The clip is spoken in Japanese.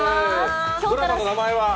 ドラマの名前は？